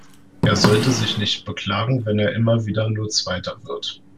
Er sollte sich nicht beklagen, wenn er immer wieder nur zweiter wird.